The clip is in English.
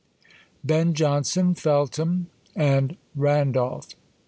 ] BEN JONSON, FELTHAM, AND RANDOLPH.